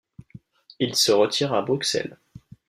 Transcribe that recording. Il se retire à Bruxelles.